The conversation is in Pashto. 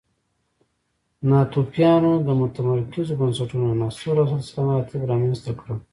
ناتوفیانو د متمرکزو بنسټونو عناصر او سلسله مراتب رامنځته کړل